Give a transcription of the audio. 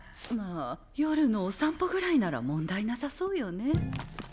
まあ夜のお散歩ぐらいなら問題なさそうよね。